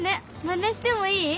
まねしてもいい？